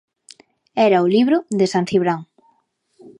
Era o libro de San Cibrán.